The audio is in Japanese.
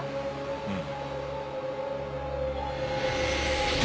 うん。